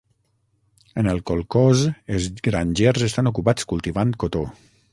En el kolkhoz, els grangers estan ocupats cultivant cotó.